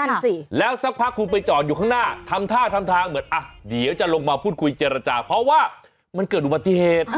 นั่นสิแล้วสักพักคุณไปจอดอยู่ข้างหน้าทำท่าทำทางเหมือนอ่ะเดี๋ยวจะลงมาพูดคุยเจรจาเพราะว่ามันเกิดอุบัติเหตุ